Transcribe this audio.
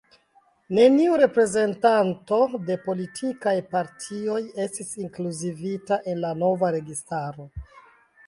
Neniu reprezentanto de politikaj partioj estis inkluzivita en la nova registaro.